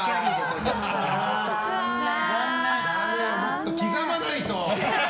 もっと刻まないと。